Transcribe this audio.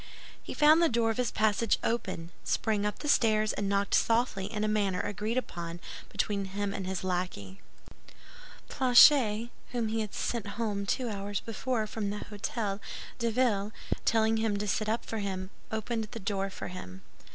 He found the door of his passage open, sprang up the stairs and knocked softly in a manner agreed upon between him and his lackey. Planchet*, whom he had sent home two hours before from the Hôtel de Ville, telling him to sit up for him, opened the door for him.